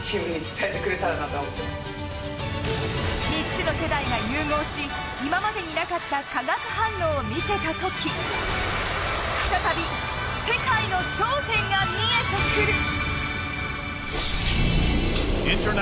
３つの世代が融合し今までになかった化学反応を見せた時再び、世界の頂点が見えてくる！